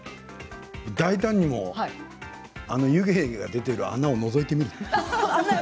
大胆にも、あの湯気が出ている穴をのぞいてみる。